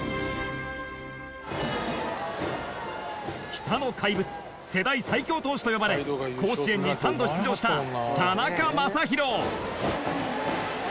北の怪物世代最強投手と呼ばれ甲子園に３度出場した田中将大。